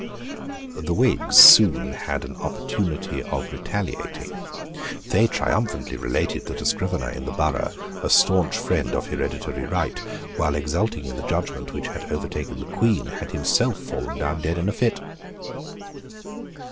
The Whigs soon had an opportunity of retaliating. They triumphantly related that a scrivener in the Borough, a stanch friend of hereditary right, while exulting in the judgment which had overtaken the Queen, had himself fallen down dead in a fit.